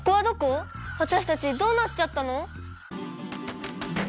わたしたちどうなっちゃったの！？